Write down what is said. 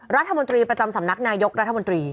รัฐมนตรีประจำสำนักนายกรัฐมนตรี